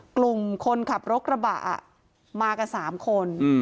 กลุ่มคนขับรถกระบะมากับ๓คน